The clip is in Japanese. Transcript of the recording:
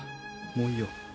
もういいよ